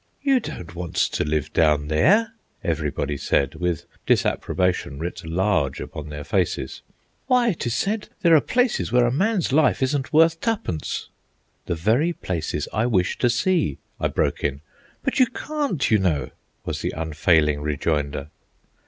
"You don't want to live down there!" everybody said, with disapprobation writ large upon their faces. "Why, it is said there are places where a man's life isn't worth tu'pence." "The very places I wish to see," I broke in. "But you can't, you know," was the unfailing rejoinder.